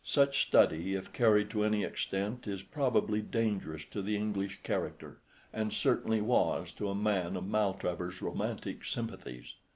Such study, if carried to any extent, is probably dangerous to the English character, and certainly was to a man of Maltravers's romantic sympathies.